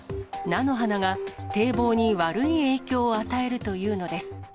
菜の花が堤防に悪い影響を与えるというのです。